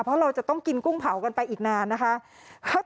เพราะเราจะต้องกินกุ้งเผากันไปอีกนานนะคะ